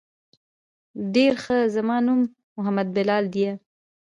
ډېر ښه زما نوم محمد بلال ديه.